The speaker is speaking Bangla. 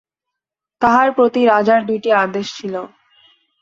তাঁহার প্রতি রাজার দুইটি আদেশ ছিল।